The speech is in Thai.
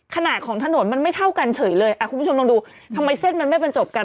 ขนาดของถนนมันไม่เท่ากันเฉยเลยอ่ะคุณผู้ชมลองดูทำไมเส้นมันไม่บรรจบกัน